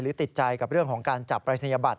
ใครมีข้อสงสัยหรือติดใจกับเรื่องของการจับปรัศนียบัตร